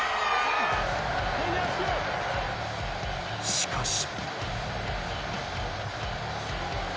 しかし。